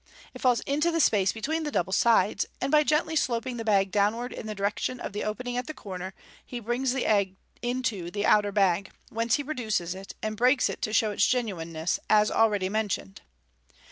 It falls into the space between the double sides, and by gently sloping the bag downwards in the direction of the opening at the corner, he brings the egg into the outer bag, whence he produces it, and breaks it to show its genuineness, as already mentioned.